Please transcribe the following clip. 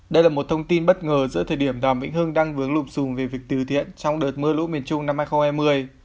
đây là một thông tin bất ngờ giữa thời điểm đàm vĩnh hưng đang vướng lụm sùm về việc từ thiện trong đợt mưa lũ miền trung năm hai nghìn hai mươi